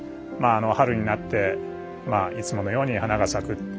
まあ春になっていつものように花が咲く。